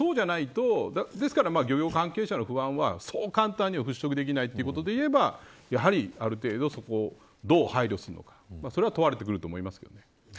ですから、漁業関係者の不安はそう簡単に払拭できないということでいえばやはりある程度どう配慮するのかそれが問われてくると思いますけどね。